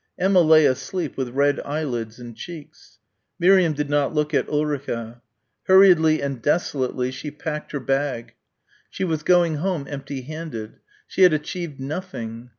Emma lay asleep with red eyelids and cheeks. Miriam did not look at Ulrica. Hurriedly and desolately she packed her bag. She was going home empty handed. She had achieved nothing.